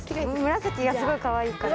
紫がすごいかわいいから。